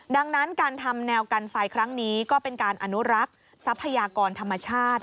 ดังนั้นการทำแนวกันไฟครั้งนี้ก็เป็นการอนุรักษ์ทรัพยากรธรรมชาติ